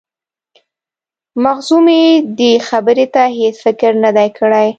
مخزومي دې خبرې ته هیڅ فکر نه دی کړی.